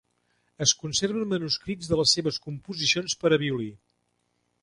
Es conserven manuscrits de les seves composicions per a violí.